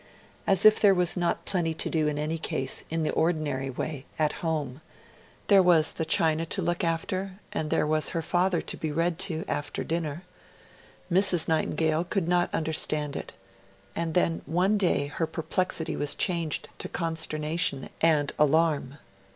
As if there was not plenty to do in any case, in the ordinary way, at home. There was the china to look after, and there was her father to be read to after dinner. Mrs. Nightingale could not understand it; and then one day her perplexity was changed to consternation and alarm.